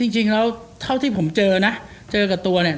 จริงแล้วเท่าที่ผมเจอนะเจอกับตัวเนี่ย